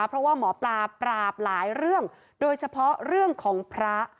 เพราะว่าหมอปลาปราบหลายเรื่องโดยเฉพาะเรื่องของพระ